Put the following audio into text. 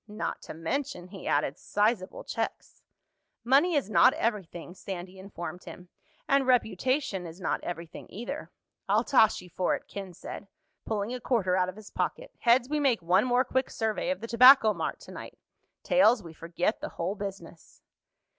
Not to mention," he added, "sizable checks." "Money is not everything," Sandy informed him. "And reputation is not everything, either." "I'll toss you for it," Ken said, pulling a quarter out of his pocket. "Heads, we make one more quick survey of the Tobacco Mart tonight. Tails, we forget the whole business."